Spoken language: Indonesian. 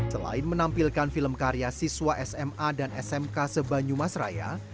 selain menampilkan film karya siswa sma dan smk sebanyumas raya